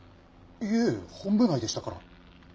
いいえ本部内でしたから。